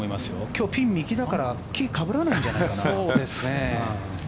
今日はピンが右だから木かぶらないんじゃないかな。